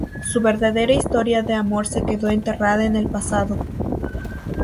Su verdadera historia de amor se quedó enterrada en el pasado.